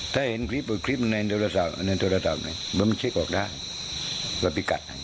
ถ้าเห็นคลิปคลิปในโทรศัพท์นี่เบิ้มเช็กออกนะ